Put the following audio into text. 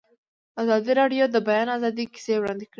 ازادي راډیو د د بیان آزادي کیسې وړاندې کړي.